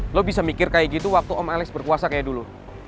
lo bisa mikir kayak gitu waktu om alex berkuasa kayak dulu